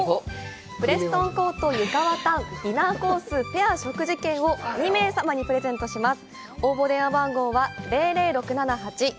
ブレストンコートユカワタンディナーコースペア食事券を２名様にプレゼントします。